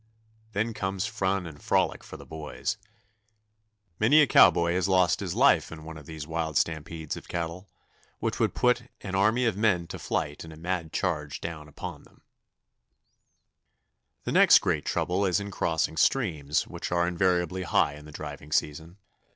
Then comes fun and frolic for the boys. Many a cowboy has lost his life in one of these wild stampedes of cattle, which would put an army of men to flight in a mad charge down upon them. [Illustration: A CATTLE STAMPEDE.] The next great trouble is in crossing streams, which are invariably high in the driving season.